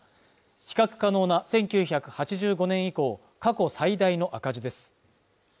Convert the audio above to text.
比較可能な１９８５年以降、過去最大の赤字です。